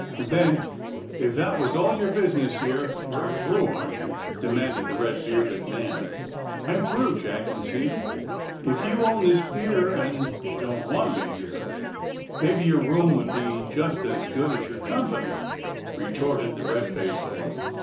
'' Then, if that was all your business here, you're through, aren't youl'* demanded the red bearded man. I'm through,^' Jack conceded, ^4f you own this pier and don't want me here." *^ Maybe your room would be just as good as your company," retorted the red faced one.